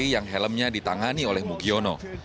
yang helmnya ditangani oleh mugiono